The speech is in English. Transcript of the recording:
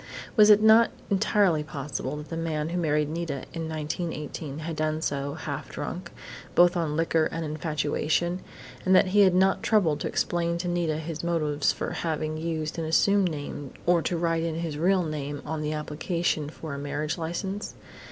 Was it not entirely possible that the man who married Nita in 1918 had done so half drunk, both on liquor and infatuation, and that he had not troubled to explain to Nita his motives for having used an assumed name or to write in his real name on the application for a marriage license?